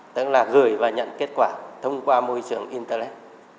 tức là gửi và nhận kết quả thông qua môi trường internet